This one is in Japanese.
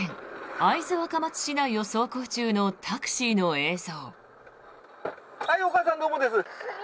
会津若松市内を走行中のタクシーの映像。